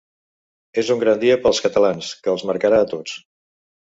És un gran dia per als catalans, que els marcarà a tots.